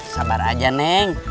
sabar aja neng